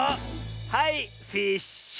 はいフィッシュ！